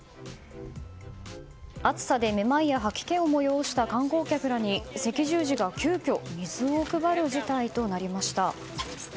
暑さで、めまいや吐き気を催した観光客らに赤十字が急きょ水を配る事態となりました。